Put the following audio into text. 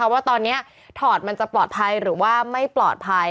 ว่าตอนนี้ถอดมันจะปลอดภัยหรือว่าไม่ปลอดภัย